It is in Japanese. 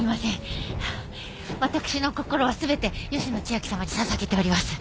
私の心は全て吉野千明さまに捧げております。